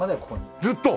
ずっと！？